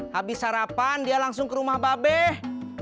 habis sarapan dia langsung ke rumah babeh